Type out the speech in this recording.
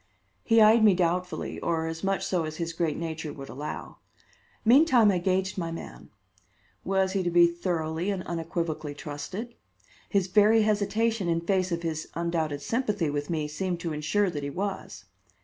He eyed me doubtfully, or as much so as his great nature would allow. Meantime, I gauged my man. Was he to be thoroughly and unequivocally trusted? His very hesitation in face of his undoubted sympathy with me seemed to insure that he was.